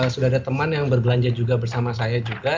sudah ada teman yang berbelanja juga bersama saya juga